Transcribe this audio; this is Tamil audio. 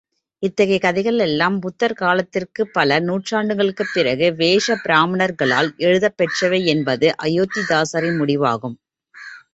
இத்தகைய கதைகளெல்லாம் புத்தர் காலத்திற்குப் பல நூற்றாண்டுகளுக்குப் பிறகு வேஷ பிராமணர்களால் எழுதப் பெற்றவையென்பது அயோத்திதாசரின் முடிவாகும்.